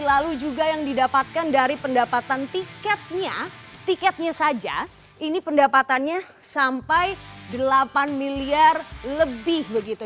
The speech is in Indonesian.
lalu juga yang didapatkan dari pendapatan tiketnya tiketnya saja ini pendapatannya sampai delapan miliar lebih begitu